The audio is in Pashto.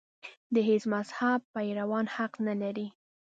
د هېڅ مذهب پیروان حق نه لري.